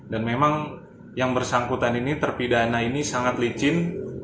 dan memang yang bersangkutan ini terpidana ini sangat licin